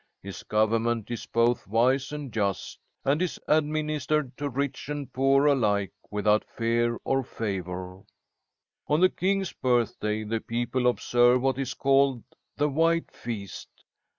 His government is both wise and just, and is administered to rich and poor alike, without fear or favour. On the king's birthday the people observe what is called the White Feast.